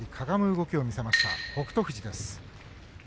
動きを見せました北勝富士です。